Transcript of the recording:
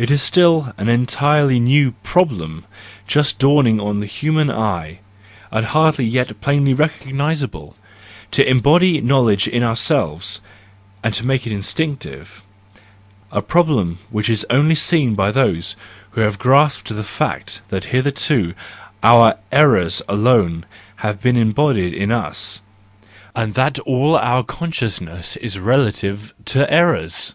It is still an entirely new problem just dawning on the human eye and hardly yet plainly recognisable: to embody knowledge in ourselves and make it instinctive,—a problem which is only seen by those who have grasped the fact that hitherto our errors alone have been embodied in us, and that all our consciousness is relative to errors